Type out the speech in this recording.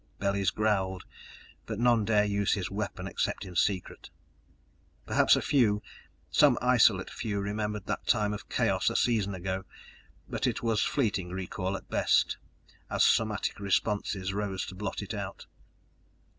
Bellies growled, but none dared use his weapon except in secret. Perhaps a few, some isolate few remembered that time of chaos a season ago but it was fleeting recall at best, as somatic responses rose to blot it out.